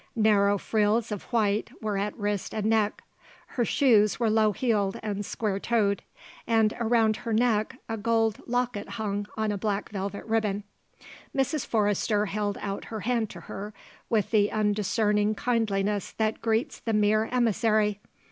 Narrow frills of white were at wrist and neck; her shoes were low heeled and square toed; and around her neck a gold locket hung on a black velvet ribbon. Mrs. Forrester held out her hand to her with the undiscerning kindliness that greets the mere emissary.